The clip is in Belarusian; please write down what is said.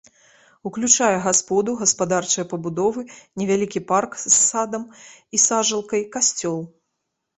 Уключае гасподу, гаспадарчыя пабудовы, невялікі парк з садам і сажалкай, касцёл.